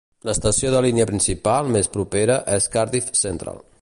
L'estació de línia principal més propera és Cardiff Central.